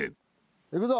いくぞ。